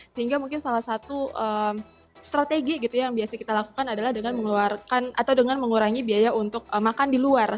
sehingga mungkin salah satu strategi yang biasa kita lakukan adalah dengan mengurangi biaya untuk makan di luar